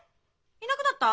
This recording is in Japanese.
いなくなった？